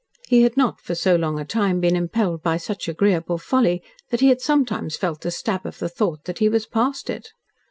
He had not for so long a time been impelled by such agreeable folly that he had sometimes felt the stab of the thought that he was past it.